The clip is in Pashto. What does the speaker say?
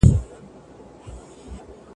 زړه به دي سوړ سي قحطی وهلی !.